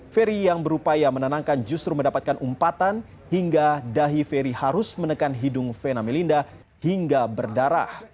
ferry yang berupaya menenangkan justru mendapatkan umpatan hingga dahi ferry harus menekan hidung vena melinda hingga berdarah